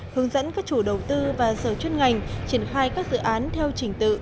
hướng dẫn các chủ đầu tư và sở chuyên ngành triển khai các dự án theo trình tự